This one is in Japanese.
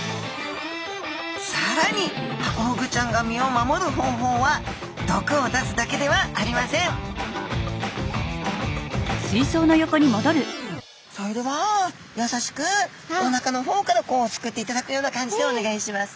さらにハコフグちゃんが身を守る方法は毒を出すだけではありませんそれではやさしくおなかの方からこうすくっていただくような感じでお願いします。